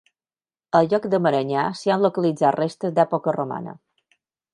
Al lloc de Maranyà, s'hi han localitzat restes d'època romana.